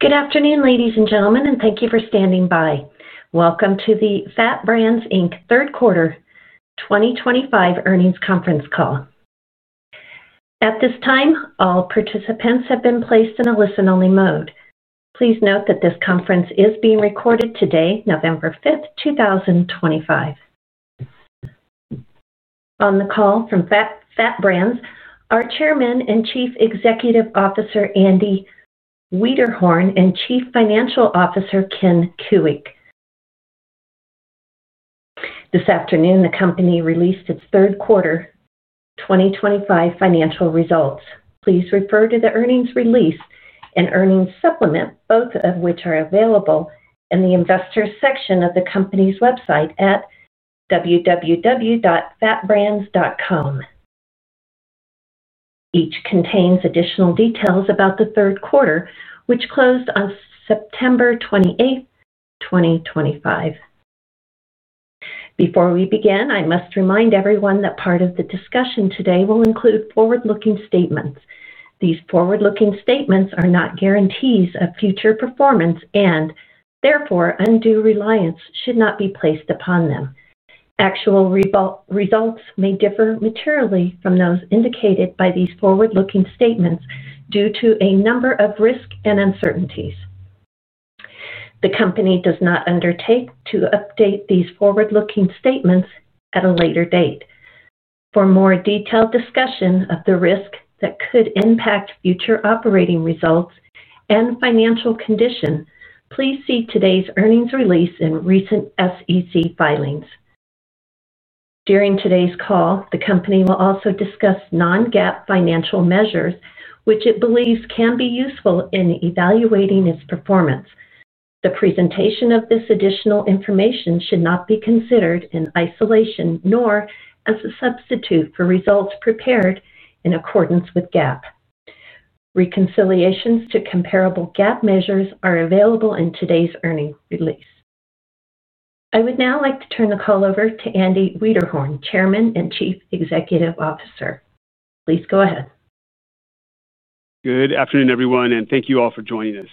Good afternoon, ladies and gentlemen, and thank you for standing by. Welcome to the FAT Brands Third Quarter 2025 Earnings Conference Call. At this time, all participants have been placed in a listen-only mode. Please note that this conference is being recorded today, November 5th, 2025. On the call from FAT Brands are Chairman and Chief Executive Officer Andy Wiederhorn and Chief Financial Officer Ken Kuick. This afternoon, the company released its Third Quarter 2025 financial results. Please refer to the earnings release and earnings supplement, both of which are available in the investor section of the company's website at www.FATbrands.com. Each contains additional details about the Third Quarter, which closed on September 28th, 2025. Before we begin, I must remind everyone that part of the discussion today will include forward-looking statements. These forward-looking statements are not guarantees of future performance and, therefore, undue reliance should not be placed upon them. Actual results may differ materially from those indicated by these forward-looking statements due to a number of risks and uncertainties. The company does not undertake to update these forward-looking statements at a later date. For more detailed discussion of the risks that could impact future operating results and financial condition, please see today's earnings release and recent SEC filings. During today's call, the company will also discuss non-GAAP financial measures, which it believes can be useful in evaluating its performance. The presentation of this additional information should not be considered in isolation nor as a substitute for results prepared in accordance with GAAP. Reconciliations to comparable GAAP measures are available in today's earnings release. I would now like to turn the call over to Andy Wiederhorn, Chairman and Chief Executive Officer. Please go ahead. Good afternoon, everyone, and thank you all for joining us.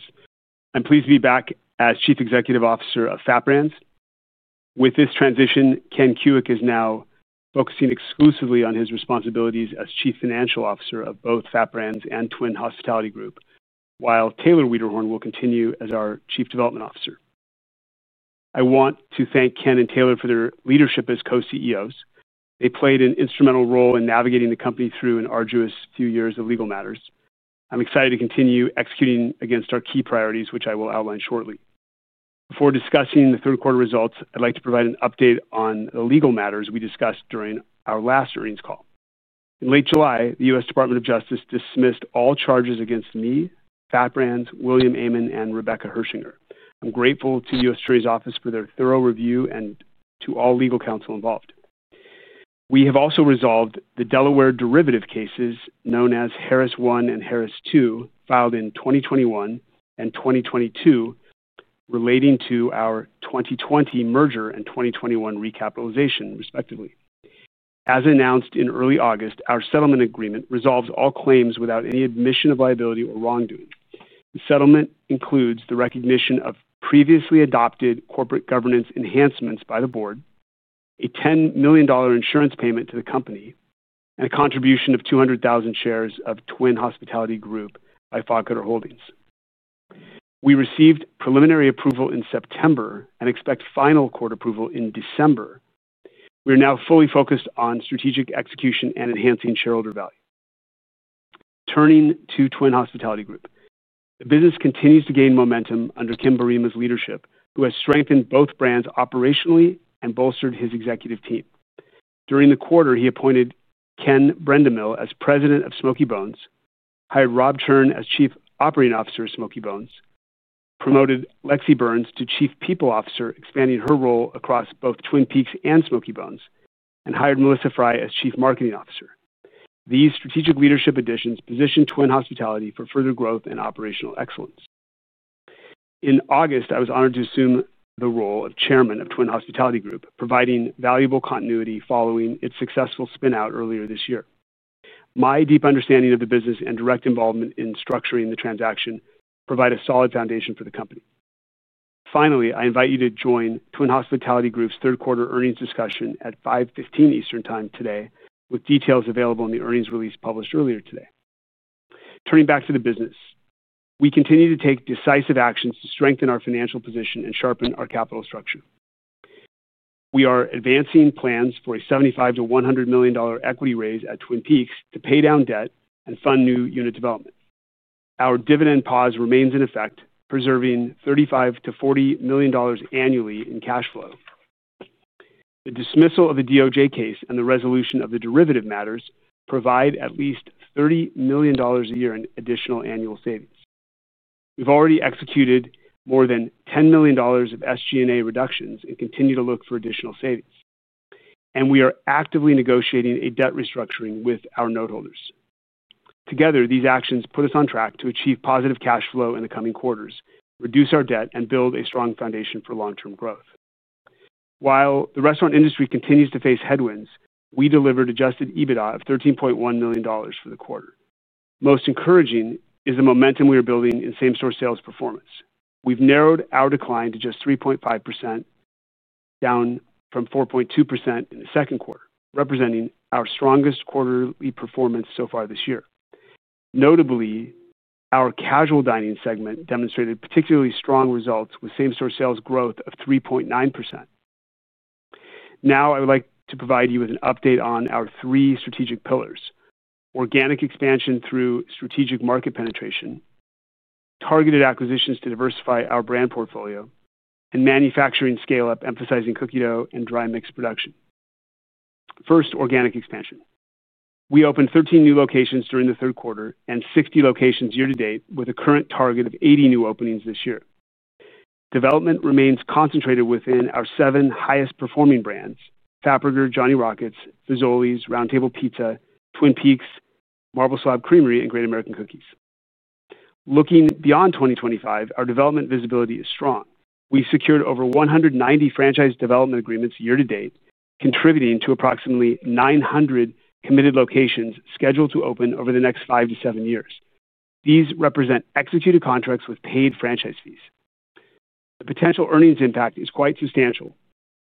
I'm pleased to be back as Chief Executive Officer of FAT Brands. With this transition, Ken Kuick is now focusing exclusively on his responsibilities as Chief Financial Officer of both FAT Brands and Twin Hospitality Group, while Taylor Wiederhorn will continue as our Chief Development Officer. I want to thank Ken and Taylor for their leadership as co-CEOs. They played an instrumental role in navigating the company through an arduous few years of legal matters. I'm excited to continue executing against our key priorities, which I will outline shortly. Before discussing the third quarter results, I'd like to provide an update on the legal matters we discussed during our last earnings call. In late July, the U.S. Department of Justice dismissed all charges against me, FAT Brands, William Amon, and Rebecca Herschinger. I'm grateful to the U.S. Attorney's Office for their thorough review and to all legal counsel involved. We have also resolved the Delaware derivative cases known as Harris One and Harris Two, filed in 2021 and 2022, relating to our 2020 merger and 2021 recapitalization, respectively. As announced in early August, our settlement agreement resolves all claims without any admission of liability or wrongdoing. The settlement includes the recognition of previously adopted corporate governance enhancements by the board, a $10 million insurance payment to the company, and a contribution of 200,000 shares of Twin Hospitality Group by Fog Cutter Holdings. We received preliminary approval in September and expect final court approval in December. We are now fully focused on strategic execution and enhancing shareholder value. Returning to Twin Hospitality Group, the business continues to gain momentum under Kim Boerema's leadership, who has strengthened both brands operationally and bolstered his executive team. During the quarter, he appointed Ken Brendamill as President of Smokey Bones, hired Rob Chern as Chief Operating Officer of Smokey Bones, promoted Lexi Burns to Chief People Officer, expanding her role across both Twin Peaks and Smokey Bones, and hired Melissa Fry as Chief Marketing Officer. These strategic leadership additions position Twin Hospitality for further growth and operational excellence. In August, I was honored to assume the role of Chairman of Twin Hospitality Group, providing valuable continuity following its successful spinout earlier this year. My deep understanding of the business and direct involvement in structuring the transaction provide a solid foundation for the company. Finally, I invite you to join Twin Hospitality Group's Third Quarter earnings discussion at 5:15 P.M. Eastern Time today, with details available in the earnings release published earlier today. Turning back to the business, we continue to take decisive actions to strengthen our financial position and sharpen our capital structure. We are advancing plans for a $75-$100 million equity raise at Twin Peaks to pay down debt and fund new unit development. Our dividend pause remains in effect, preserving $35-$40 million annually in cash flow. The dismissal of the DOJ case and the resolution of the derivative matters provide at least $30 million a year in additional annual savings. We've already executed more than $10 million of SG&A reductions and continue to look for additional savings, and we are actively negotiating a debt restructuring with our noteholders. Together, these actions put us on track to achieve positive cash flow in the coming quarters, reduce our debt, and build a strong foundation for long-term growth. While the restaurant industry continues to face headwinds, we delivered adjusted EBITDA of $13.1 million for the quarter. Most encouraging is the momentum we are building in same-store sales performance. We've narrowed our decline to just 3.5%, down from 4.2% in the second quarter, representing our strongest quarterly performance so far this year. Notably, our casual dining segment demonstrated particularly strong results with same-store sales growth of 3.9%. Now, I would like to provide you with an update on our three strategic pillars: organic expansion through strategic market penetration, targeted acquisitions to diversify our brand portfolio, and manufacturing scale-up emphasizing cookie dough and dry mix production. First, organic expansion. We opened 13 new locations during the third quarter and 60 locations year-to-date, with a current target of 80 new openings this year. Development remains concentrated within our seven highest-performing brands: Fatburger, Johnny Rockets, Fazoli's, Round Table Pizza, Twin Peaks, Marble Slab Creamery, and Great American Cookies. Looking beyond 2025, our development visibility is strong. We secured over 190 franchise development agreements year-to-date, contributing to approximately 900 committed locations scheduled to open over the next five to seven years. These represent executed contracts with paid franchise fees. The potential earnings impact is quite substantial.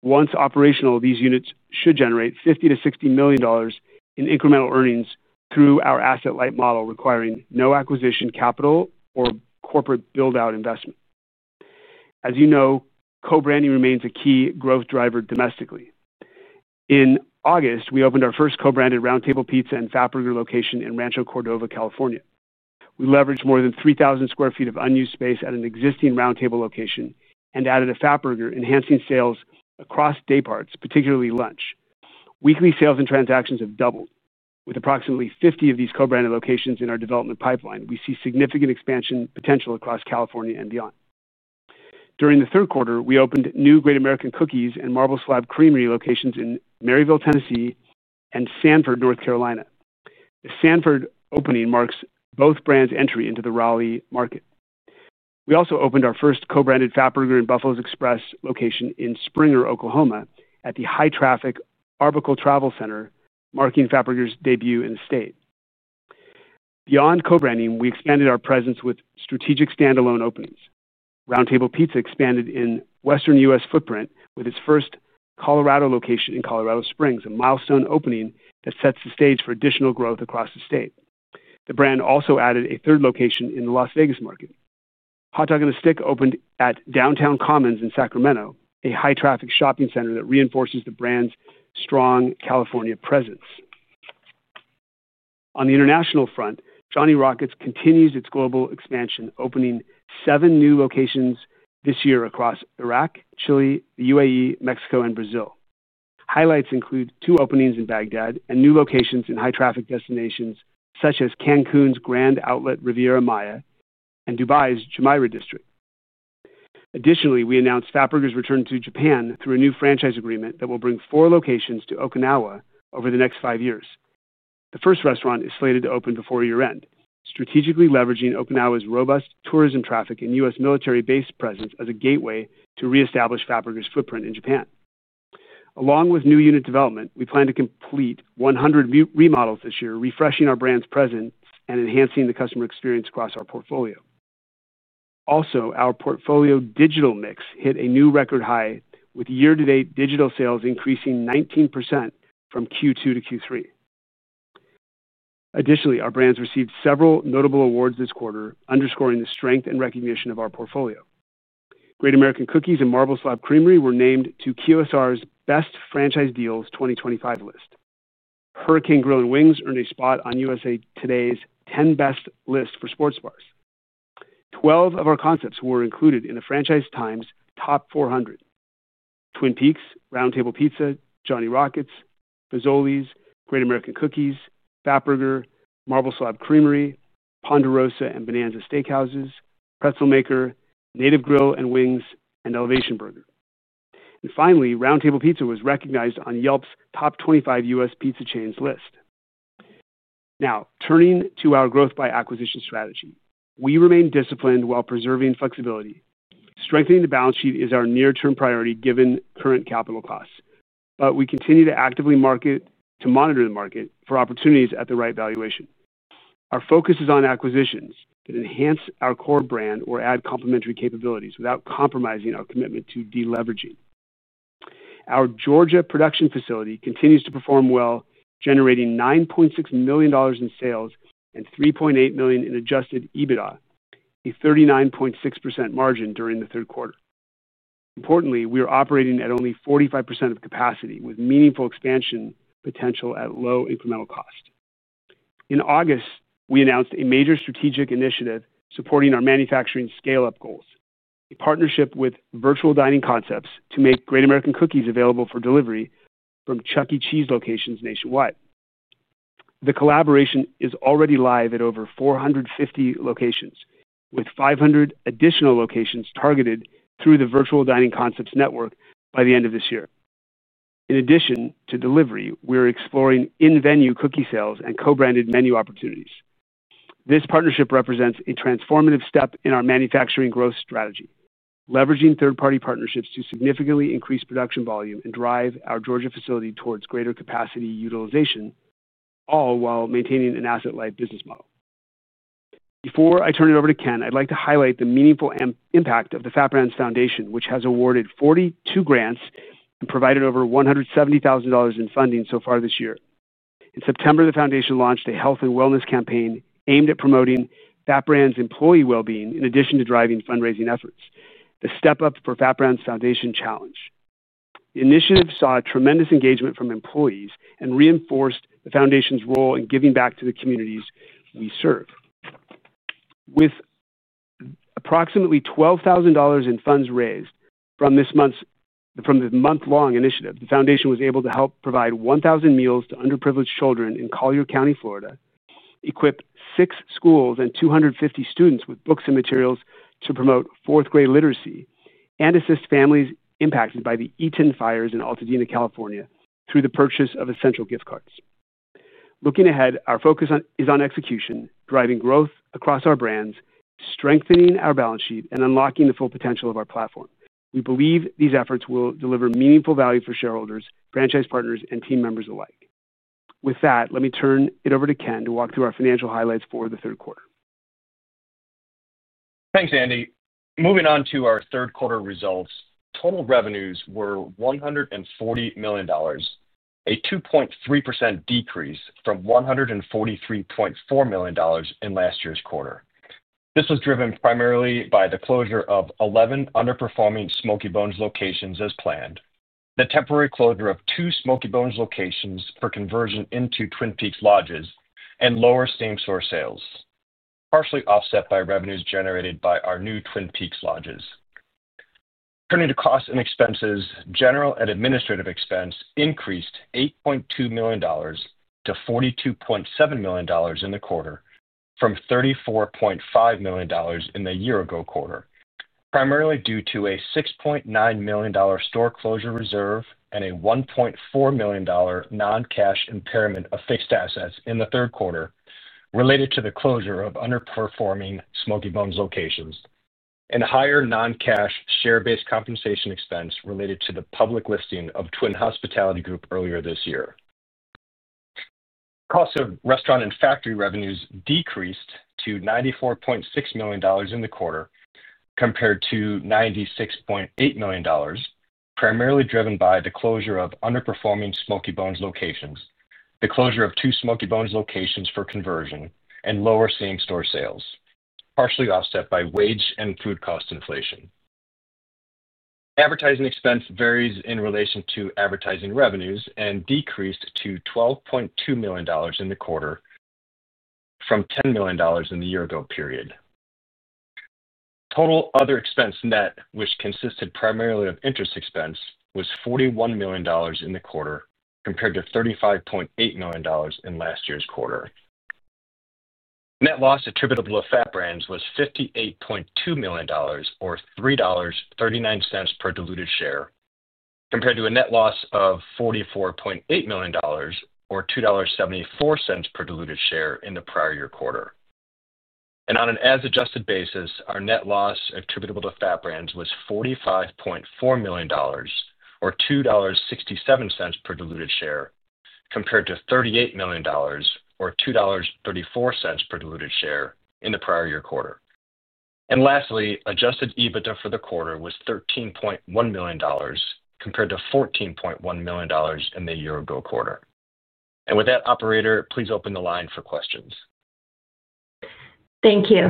Once operational, these units should generate $50-$60 million in incremental earnings through our asset-light model requiring no acquisition capital or corporate build-out investment. As you know, co-branding remains a key growth driver domestically. In August, we opened our first co-branded Round Table Pizza and Fatburger location in Rancho Cordova, California. We leveraged more than 3,000 sq ft of unused space at an existing Round Table location and added a Fatburger, enhancing sales across day parts, particularly lunch. Weekly sales and transactions have doubled. With approximately 50 of these co-branded locations in our development pipeline, we see significant expansion potential across California and beyond. During the third quarter, we opened new Great American Cookies and Marble Slab Creamery locations in Merriville, Tennessee, and Sanford, North Carolina. The Sanford opening marks both brands' entry into the Raleigh market. We also opened our first co-branded Fatburger and Buffalo's Express location in Springer, Oklahoma, at the high-traffic Arbuckle Travel Center, marking Fatburger's debut in the state. Beyond co-branding, we expanded our presence with strategic standalone openings. Round Table Pizza expanded in Western U.S. footprint with its first Colorado location in Colorado Springs, a milestone opening that sets the stage for additional growth across the state. The brand also added a third location in the Las Vegas market. Hot Dog on a Stick opened at Downtown Commons in Sacramento, a high-traffic shopping center that reinforces the brand's strong California presence. On the international front, Johnny Rockets continues its global expansion, opening seven new locations this year across Iraq, Chile, the U.A.E., Mexico, and Brazil. Highlights include two openings in Baghdad and new locations in high-traffic destinations such as Cancun's Grand Outlet Riviera Maya and Dubai's Jumeirah District. Additionally, we announced Fatburger's return to Japan through a new franchise agreement that will bring four locations to Okinawa over the next five years. The first restaurant is slated to open before year-end, strategically leveraging Okinawa's robust tourism traffic and U.S. military base presence as a gateway to reestablish FAT Brands' footprint in Japan. Along with new unit development, we plan to complete 100 remodels this year, refreshing our brand's presence and enhancing the customer experience across our portfolio. Also, our portfolio digital mix hit a new record high, with year-to-date digital sales increasing 19% from Q2 to Q3. Additionally, our brands received several notable awards this quarter, underscoring the strength and recognition of our portfolio. Great American Cookies and Marble Slab Creamery were named to QSR's Best Franchise Deals 2025 list. Hurricane Grill & Wings earned a spot on USA Today's 10 Best list for sports bars. Twelve of our concepts were included in the Franchise Times Top 400. Twin Peaks, Round Table Pizza, Johnny Rockets, Fazoli's, Great American Cookies, FAT Brands, Marble Slab Creamery, Ponderosa and Bonanza Steakhouses, Pretzelmaker, Native Grill & Wings, and Elevation Burger. Finally, Round Table Pizza was recognized on Yelp's Top 25 U.S. Pizza Chains list. Now, turning to our growth by acquisition strategy. We remain disciplined while preserving flexibility. Strengthening the balance sheet is our near-term priority given current capital costs, but we continue to actively monitor the market for opportunities at the right valuation. Our focus is on acquisitions that enhance our core brand or add complementary capabilities without compromising our commitment to deleveraging. Our Georgia production facility continues to perform well, generating $9.6 million in sales and $3.8 million in adjusted EBITDA, a 39.6% margin during the third quarter. Importantly, we are operating at only 45% of capacity, with meaningful expansion potential at low incremental cost. In August, we announced a major strategic initiative supporting our manufacturing scale-up goals: a partnership with Virtual Dining Concepts to make Great American Cookies available for delivery from Chuck E. Cheese. Cheese locations nationwide. The collaboration is already live at over 450 locations, with 500 additional locations targeted through the Virtual Dining Concepts network by the end of this year. In addition to delivery, we are exploring in-venue cookie sales and co-branded menu opportunities. This partnership represents a transformative step in our manufacturing growth strategy, leveraging third-party partnerships to significantly increase production volume and drive our Georgia facility towards greater capacity utilization, all while maintaining an asset-light business model. Before I turn it over to Ken, I would like to highlight the meaningful impact of the FAT Brands Foundation, which has awarded 42 grants and provided over $170,000 in funding so far this year. In September, the foundation launched a health and wellness campaign aimed at promoting FAT Brands employee well-being in addition to driving fundraising efforts, the Step Up for FAT Brands Foundation Challenge. The initiative saw tremendous engagement from employees and reinforced the foundation's role in giving back to the communities we serve. With approximately $12,000 in funds raised from this month's—from the month-long initiative, the foundation was able to help provide 1,000 meals to underprivileged children in Collier County, Florida, equip six schools and 250 students with books and materials to promote fourth-grade literacy, and assist families impacted by the Eaton fires in Altadena, California, through the purchase of essential gift cards. Looking ahead, our focus is on execution, driving growth across our brands, strengthening our balance sheet, and unlocking the full potential of our platform. We believe these efforts will deliver meaningful value for shareholders, franchise partners, and team members alike. With that, let me turn it over to Ken to walk through our financial highlights for the third quarter. Thanks, Andy. Moving on to our third quarter results, total revenues were $140 million. A 2.3% decrease from $143.4 million in last year's quarter. This was driven primarily by the closure of 11 underperforming Smokey Bones locations as planned, the temporary closure of two Smokey Bones locations for conversion into Twin Peaks Lodges, and lower same-store sales, partially offset by revenues generated by our new Twin Peaks Lodges. Turning to costs and expenses, general and administrative expense increased $8.2 million to $42.7 million in the quarter, from $34.5 million in the year-ago quarter, primarily due to a $6.9 million store closure reserve and a $1.4 million non-cash impairment of fixed assets in the third quarter related to the closure of underperforming Smokey Bones locations, and higher non-cash share-based compensation expense related to the public listing of Twin Hospitality Group earlier this year. Costs of restaurant and factory revenues decreased to $94.6 million in the quarter, compared to $96.8 million, primarily driven by the closure of underperforming Smokey Bones locations, the closure of two Smokey Bones locations for conversion, and lower same-store sales, partially offset by wage and food cost inflation. Advertising expense varies in relation to advertising revenues and decreased to $12.2 million in the quarter, from $10 million in the year-ago period. Total other expense net, which consisted primarily of interest expense, was $41 million in the quarter, compared to $35.8 million in last year's quarter. Net loss attributable to FAT Brands was $58.2 million, or $3.39 per diluted share, compared to a net loss of $44.8 million, or $2.74 per diluted share in the prior year quarter. On an as-adjusted basis, our net loss attributable to FAT Brands was $45.4 million, or $2.67 per diluted share, compared to $38 million, or $2.34 per diluted share in the prior year quarter. Lastly, adjusted EBITDA for the quarter was $13.1 million, compared to $14.1 million in the year-ago quarter. With that, operator, please open the line for questions. Thank you.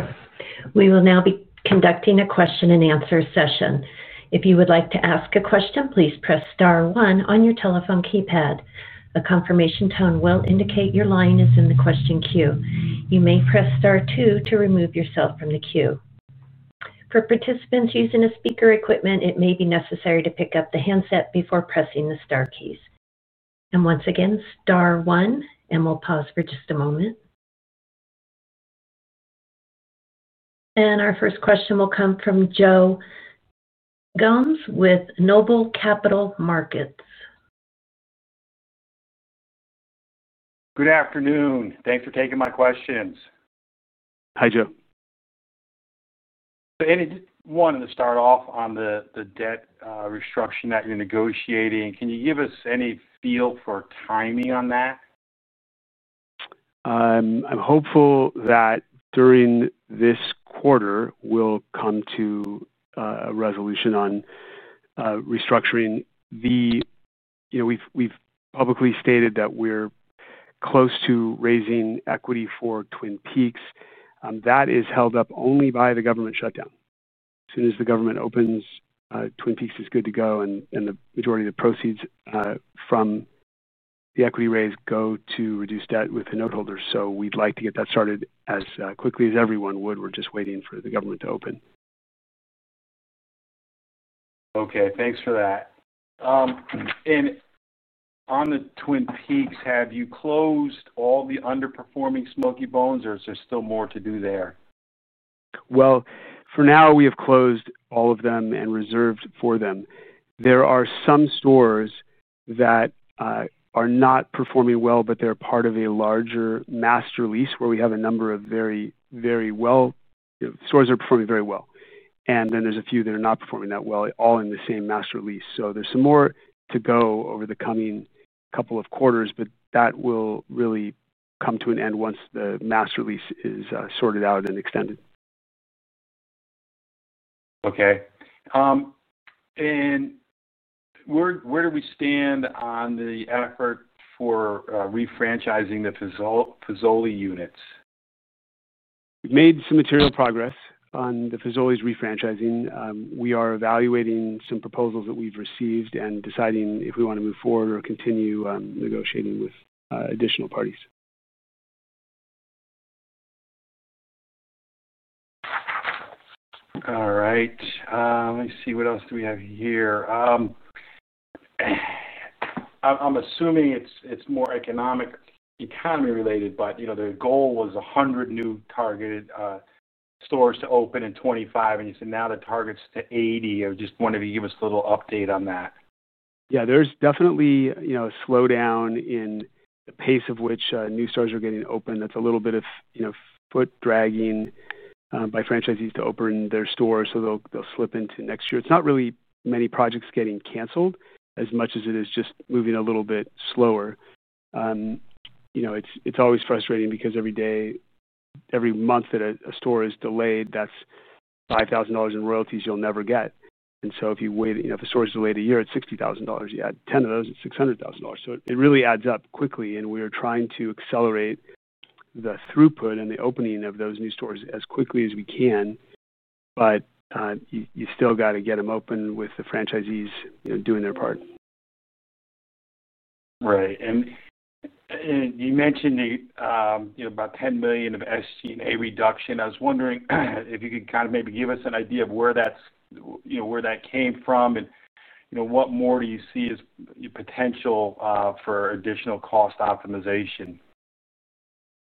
We will now be conducting a question-and-answer session. If you would like to ask a question, please press Star one on your telephone keypad. A confirmation tone will indicate your line is in the question queue. You may press Star one to remove yourself from the queue. For participants using speaker equipment, it may be necessary to pick up the handset before pressing the Star keys. Once again, Star one, and we will pause for just a moment. Our first question will come from Joe Gumbs with NOBLE Capital Markets. Good afternoon. Thanks for taking my questions. Hi, Joe. Anyone to start off on the debt restructuring that you're negotiating, can you give us any feel for timing on that? I'm hopeful that during this quarter, we'll come to a resolution on restructuring. We've publicly stated that we're close to raising equity for Twin Peaks. That is held up only by the government shutdown. As soon as the government opens, Twin Peaks is good to go, and the majority of the proceeds from the equity raise go to reduce debt with the noteholders. We'd like to get that started as quickly as everyone would. We're just waiting for the government to open. Okay. Thanks for that. On the Twin Peaks, have you closed all the underperforming Smokey Bones, or is there still more to do there? For now, we have closed all of them and reserved for them. There are some stores that are not performing well, but they are part of a larger master lease where we have a number of stores that are performing very well. Then there are a few that are not performing that well, all in the same master lease. There is some more to go over the coming couple of quarters, but that will really come to an end once the master lease is sorted out and extended. Okay. Where do we stand on the effort for refranchising the Fazoli's units? We have made some material progress on the Fazoli's refranchising. We are evaluating some proposals that we've received and deciding if we want to move forward or continue negotiating with additional parties. All right. Let me see. What else do we have here? I'm assuming it's more economic—economy-related, but the goal was 100 new targeted stores to open in 2025, and you said now the target's to 80. I just wanted to give us a little update on that. Yeah. There's definitely a slowdown in the pace of which new stores are getting open. That's a little bit of foot-dragging by franchisees to open their stores, so they'll slip into next year. It's not really many projects getting canceled as much as it is just moving a little bit slower. It's always frustrating because every day—every month that a store is delayed, that's $5,000 in royalties you'll never get. If you wait—if a store is delayed a year, it's $60,000. You add 10 of those, it's $600,000. It really adds up quickly, and we are trying to accelerate the throughput and the opening of those new stores as quickly as we can, but you still got to get them open with the franchisees doing their part. Right. You mentioned about $10 million of SG&A reduction. I was wondering if you could kind of maybe give us an idea of where that's—where that came from? And what more do you see as potential for additional cost optimization?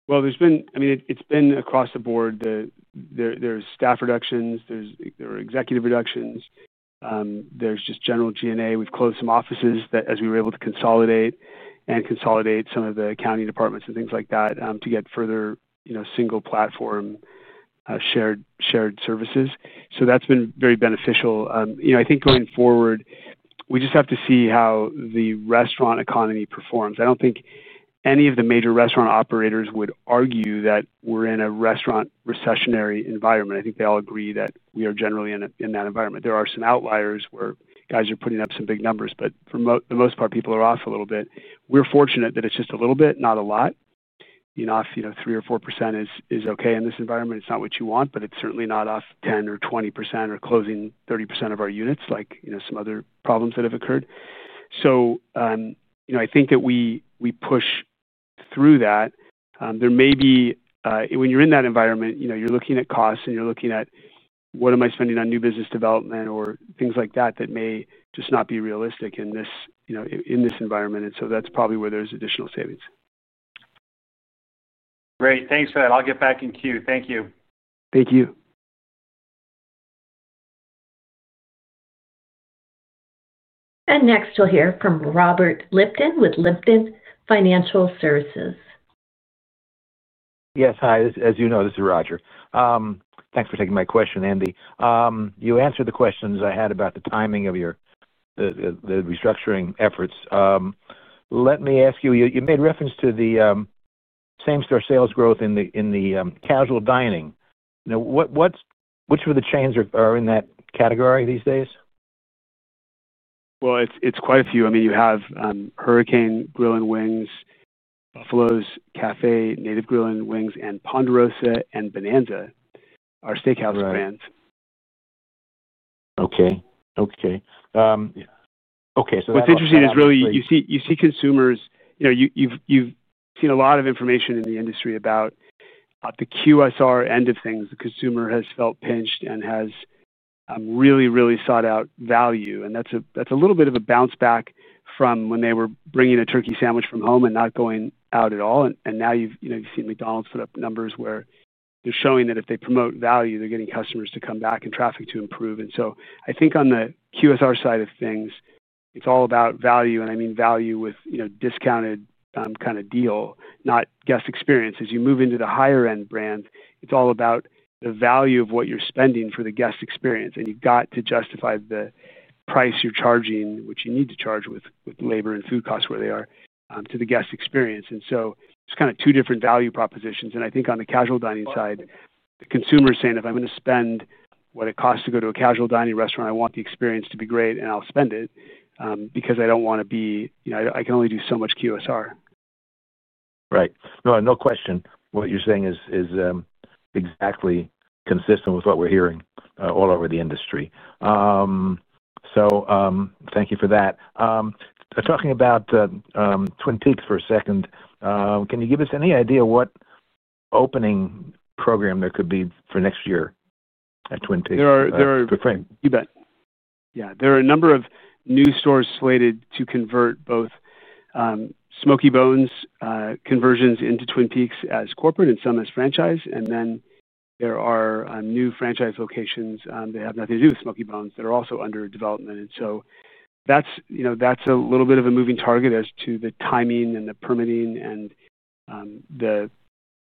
There's been—I mean, it's been across the board. There's staff reductions. There are executive reductions. There's just general G&A. We've closed some offices as we were able to consolidate and consolidate some of the accounting departments and things like that to get further single-platform shared services. That's been very beneficial. I think going forward, we just have to see how the restaurant economy performs. I don't think any of the major restaurant operators would argue that we're in a restaurant recessionary environment. I think they all agree that we are generally in that environment. There are some outliers where guys are putting up some big numbers, but for the most part, people are off a little bit. We're fortunate that it's just a little bit, not a lot. Off 3-4% is okay in this environment. It's not what you want, but it's certainly not off 10-20% or closing 30% of our units like some other problems that have occurred. I think that we push through that. There may be, when you're in that environment, you're looking at costs and you're looking at, "What am I spending on new business development?" or things like that that may just not be realistic in this environment. And so that's probably where there's additional savings. Great. Thanks for that. I'll get back in queue. Thank you. Thank you. Next, we'll hear from Robert Lipton with Lipton Financial Services. Yes. Hi. As you know, this is Roger. Thanks for taking my question, Andy. You answered the questions I had about the timing of the restructuring efforts. Let me ask you, you made reference to the same-store sales growth in the casual dining. Which of the chains are in that category these days? It's quite a few. I mean, you have Hurricane Grill & Wings, Buffalo's Cafe, Native Grill & Wings, and Ponderosa & Bonanza, our steakhouse brands. Okay. Okay. Okay. That's—what's interesting is really you see consumers—you've seen a lot of information in the industry about the QSR end of things. The consumer has felt pinched and has really, really sought out value. And that's a little bit of a bounce back from when they were bringing a turkey sandwich from home and not going out at all. Now you've seen McDonald's put up numbers where they're showing that if they promote value, they're getting customers to come back and traffic to improve. I think on the QSR side of things, it's all about value. I mean value with discounted kind of deal, not guest experience. As you move into the higher-end brand, it's all about the value of what you're spending for the guest experience. You have to justify the price you're charging, which you need to charge with labor and food costs where they are, to the guest experience. It is kind of two different value propositions. I think on the casual dining side, the consumer is saying, "If I'm going to spend what it costs to go to a casual dining restaurant, I want the experience to be great, and I'll spend it because I don't want to be—I can only do so much QSR." Right. No question. What you're saying is exactly consistent with what we're hearing all over the industry. Thank you for that. Talking about Twin Peaks for a second, can you give us any idea what opening program there could be for next year at Twin Peaks? You bet. There are a number of new stores slated to convert both. Smokey Bones conversions into Twin Peaks as corporate and some as franchise. There are new franchise locations that have nothing to do with Smokey Bones that are also under development. That is a little bit of a moving target as to the timing and the permitting and the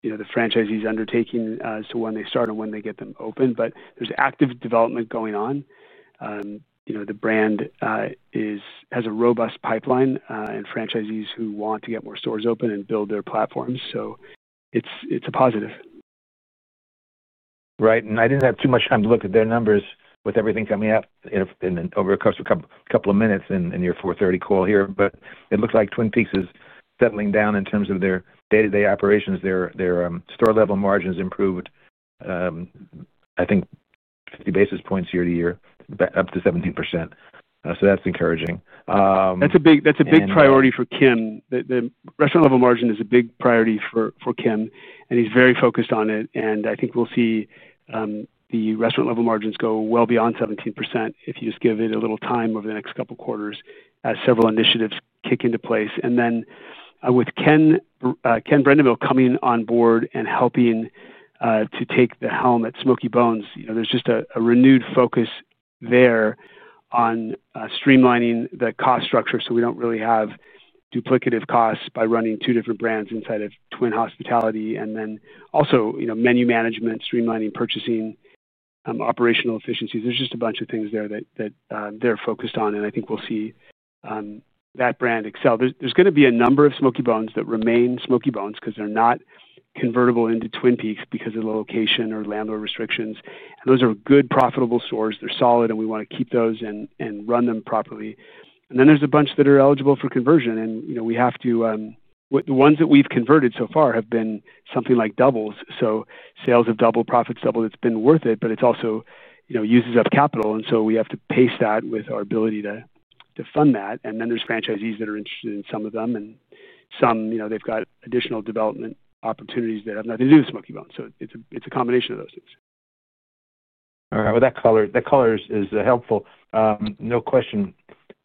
franchisees undertaking as to when they start and when they get them open. There is active development going on. The brand has a robust pipeline and franchisees who want to get more stores open and build their platforms. It is a positive. Right. I did not have too much time to look at their numbers with everything coming up over the course of a couple of minutes in your 4:30 call here. It looks like Twin Peaks is settling down in terms of their day-to-day operations. Their store-level margins improved. I think, 50 basis points year to year, up to 17%. That is encouraging. That is a big priority for Kim. The restaurant-level margin is a big priority for Ken, and he is very focused on it. I think we will see the restaurant-level margins go well beyond 17% if you just give it a little time over the next couple of quarters as several initiatives kick into place. With Ken Brendimihi coming on board and helping to take the helm at Smokey Bones, there is just a renewed focus there on streamlining the cost structure so we do not really have duplicative costs by running two different brands inside of Twin Hospitality. Also, menu management, streamlining purchasing, operational efficiencies. There is just a bunch of things there that they are focused on. I think we will see that brand excel. There's going to be a number of Smokey Bones that remain Smokey Bones because they're not convertible into Twin Peaks because of the location or landlord restrictions. Those are good, profitable stores. They're solid, and we want to keep those and run them properly. Then there's a bunch that are eligible for conversion. The ones that we've converted so far have been something like doubles. Sales have doubled, profits doubled. It's been worth it, but it also uses up capital. We have to pace that with our ability to fund that. There are franchisees that are interested in some of them. Some have got additional development opportunities that have nothing to do with Smokey Bones. It's a combination of those things. All right. That color is helpful. No question.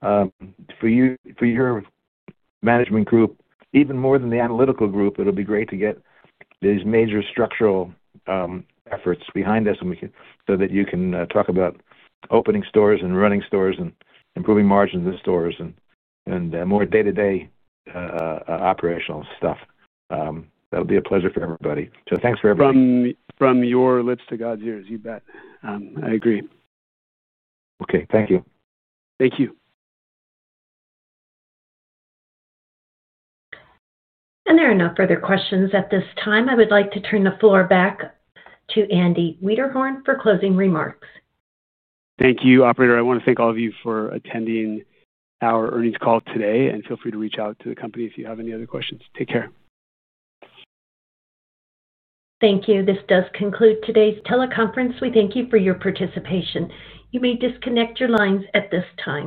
For your. Management group, even more than the analytical group, it'll be great to get these major structural efforts behind us so that you can talk about opening stores and running stores and improving margins of stores and more day-to-day operational stuff. That'll be a pleasure for everybody. Thanks for everything. From your lips to God's ears, you bet. I agree. Thank you. Thank you. There are no further questions at this time. I would like to turn the floor back to Andy Wiederhorn for closing remarks. Thank you, operator. I want to thank all of you for attending our earnings call today. Feel free to reach out to the company if you have any other questions. Take care. Thank you. This does conclude today's teleconference. We thank you for your participation. You may disconnect your lines at this time.